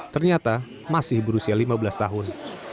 ternyata masih berusia lima belas tahun